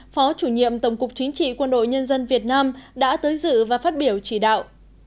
phó chủ nhiệm tổng cục chính trị quân đội nhân dân việt nam đã tới dự và phát biểu chỉ đạo